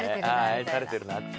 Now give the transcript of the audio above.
愛されてるなって。